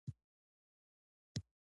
ایا زه شپه راشم؟